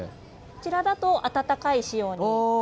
こちらだと暖かい仕様に。